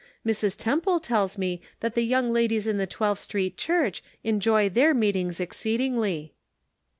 Mrs. Temple tells me that the young ladies in the Twelfth Street Church enjoy their meetings exceedingly.